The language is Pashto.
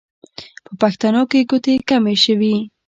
په پښتنو کې ګوتې کمې شوې.